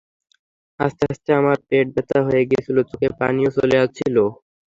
হাসতে হাসতে আমার পেট ব্যথা হয়ে গিয়েছিল, চোখে পানিও চলে আসছিল।